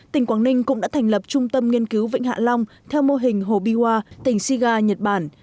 tỉnh quảng ninh cũng đã thành lập trung tâm nghiên cứu vịnh hạ long theo mô hình hobiwa tỉnh shiga nhật bản